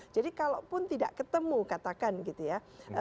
jadi kalaupun tidak ketemu katakan gitu ya